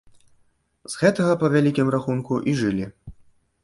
З гэтага, па вялікім рахунку, і жылі.